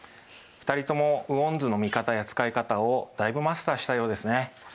２人とも雨温図の見方や使い方をだいぶマスターしたようですね。